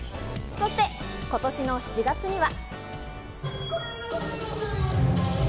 そして今年の７月には。